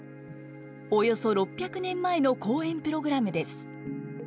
およそ６００年前の公演プログラムです。